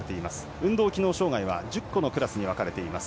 運動機能障がいは１０個のクラスに分かれています。